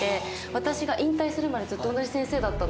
私が引退するまでずっと同じ先生だったので。